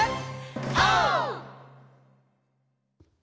オー！